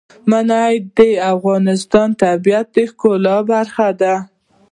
منی د افغانستان د طبیعت د ښکلا برخه ده.